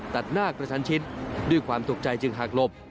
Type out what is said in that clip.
ตัดหน้ากระชันชิดด้วยความตกใจจึงหากหลบ